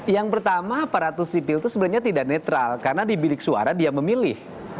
yang pertama aparatur sipil itu sebenarnya tidak netral karena di bilik suara dia memilih